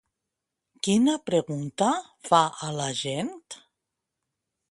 Quina pregunta fa a la gent?